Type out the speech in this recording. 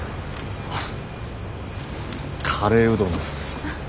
カレーうどんです。